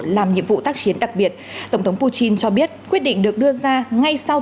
làm nhiệm vụ tác chiến đặc biệt tổng thống putin cho biết quyết định được đưa ra ngay sau